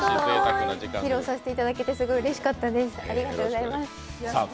披露させていただけて、すごいうれしかったです、ありがとうございます。